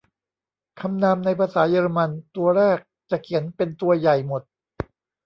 คำนามในภาษาเยอรมันตัวแรกจะเขียนเป็นตัวใหญ่หมด